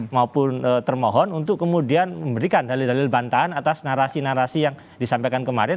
maupun termohon untuk kemudian memberikan dalil dalil bantahan atas narasi narasi yang disampaikan kemarin